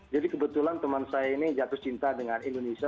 kebetulan teman saya ini jatuh cinta dengan indonesia